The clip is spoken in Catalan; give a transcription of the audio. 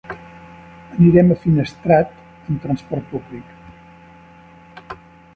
Anirem a Finestrat amb transport públic.